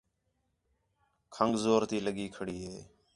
کھنڳ زور تی لڳی کھڑی ہِے